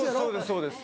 そうです。